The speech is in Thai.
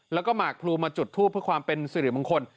แล้วก็หมากพลูมาจุดทูปเพื่อความเป็นสิริมงคล